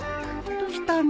どしたの？